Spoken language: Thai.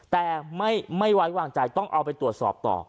แต่ไม่ไว้วางใจต้องเอาไปตรวจสอบต่อ